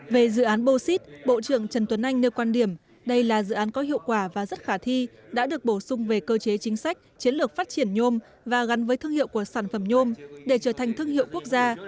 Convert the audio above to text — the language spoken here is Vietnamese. về dự án bosit bộ trưởng trần tuấn anh nêu quan điểm đây là dự án có hiệu quả và rất khả thi đã được bổ sung về cơ chế chính sách chiến lược phát triển nhôm và gắn với thương hiệu của sản phẩm nhôm để trở thành thương hiệu quốc gia